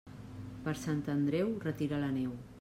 Per Sant Andreu, retira la neu.